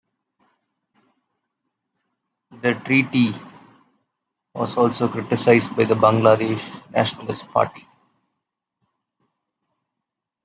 The treaty was also criticised by the Bangladesh Nationalist Party.